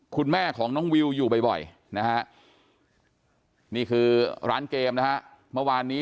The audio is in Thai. คุณแม่ของน้องวิวอยู่บ่อยนะฮะนี่คือร้านเกมนะฮะเมื่อวานนี้